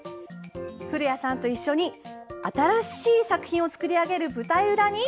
古谷さんと一緒に新しい作品を作り上げる舞台裏に。